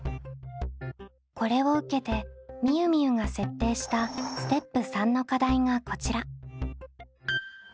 これを受けてみゆみゆが設定したステップ③の課題がこちら。